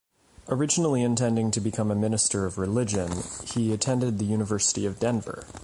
Originally intending to become a minister of religion, he attended the University of Denver.